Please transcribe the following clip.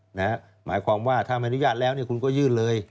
หมายความว่าถ้าไม่อนุญาตแล้วคุณก็ยื่นเลย